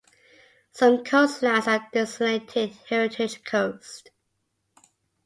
Some coastlines are designated Heritage Coasts.